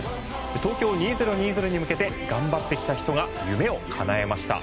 東京２０２０に向けて頑張ってきた人が夢をかなえました。